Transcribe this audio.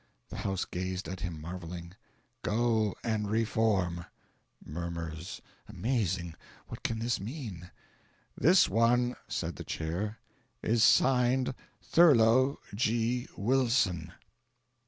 (The house gazed at him marvelling.) Go, and reform."'" (Murmurs: "Amazing! what can this mean?") "This one," said the Chair, "is signed Thurlow G. Wilson."